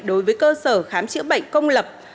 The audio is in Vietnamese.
đối với cơ sở khám chữa bệnh công lập